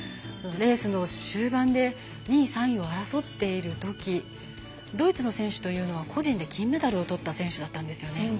レースの終盤で２位、３位を争っているときドイツの選手というのは個人で金メダルをとった選手だったんですよね。